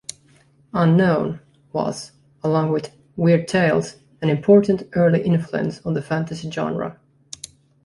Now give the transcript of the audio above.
"Unknown" was, along with "Weird Tales", an important early influence on the fantasy genre.